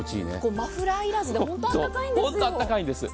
マフラーいらずで本当にあったかいんです。